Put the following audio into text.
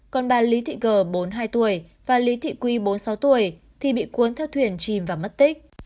còn bà lý thị gờ bốn mươi hai tuổi và lý thị quy bốn mươi sáu tuổi thì bị cuốn theo thuyền chìm và mất tích